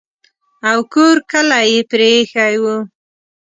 او کور کلی یې پرې ایښی وو.